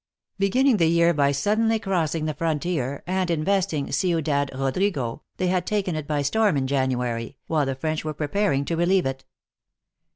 Beginning the year by sud denly crossing the frontier and investing Ciudad Rod rigo, they had taken it by storm in January, while the French were preparing to relieve it.